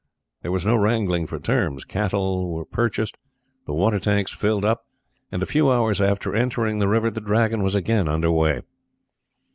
There was no wrangling for terms. Cattle were purchased, and the water tanks filled up, and a few hours after entering the river the Dragon was again under way.